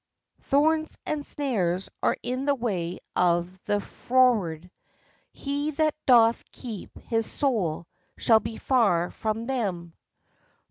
"Thorns and snares are in the way of the froward: he that doth keep his soul shall be far from them."